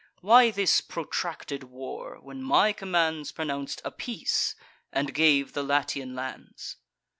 Why this protracted war, when my commands Pronounc'd a peace, and gave the Latian lands?